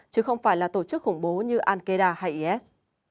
chứ không phải là tổ chức khủng bố như al qaeda hay is